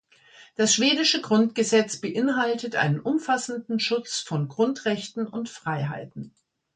Das schwedische Grundgesetz beinhaltet einen umfassenden Schutz von Grundrechten und -freiheiten.